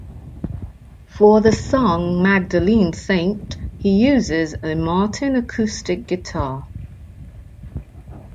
For the song, "Magdalene Saint" he uses a Martin acoustic guitar.